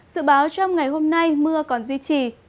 dự báo trong ngày hôm nay mưa còn duy trì